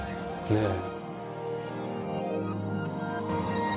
ねえ。